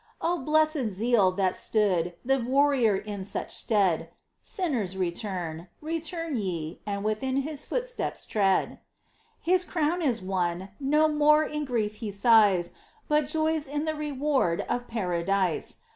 Oh, blessed zeal that stood The warrior in such stead, —• Sinners, return, return ye, and within His footsteps tread ! His crown is won — no more In grief he sighs, But joys in the reward Of Paradise.